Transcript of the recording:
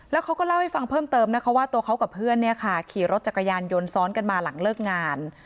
แล้วเขาก็เล่าให้ฟังเพิ่มเติมนะคะว่าตัวเขากับเพื่อนเนี่ยค่ะขี่รถจักรยานยนต์ซ้อนกันมาหลังเลิกงาน